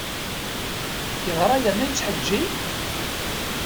Yeɣra yerna yettḥeǧǧi!